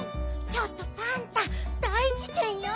ちょっとパンタ大じけんよ。